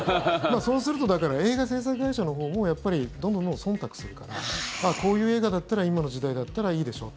そうすると映画制作会社のほうもやっぱりどんどんそんたくするからこういう映画だったら今の時代だったらいいでしょ。